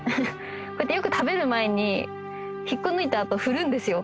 こうやってよく食べる前に引っこ抜いたあと振るんですよ